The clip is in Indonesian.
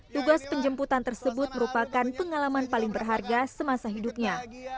tugas penjemputan tersebut merupakan pengalaman paling berharga semasa hidupnya